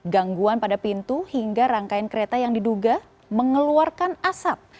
gangguan pada pintu hingga rangkaian kereta yang diduga mengeluarkan asap